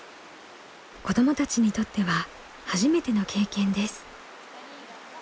子どもたちにとっては初めての経験です。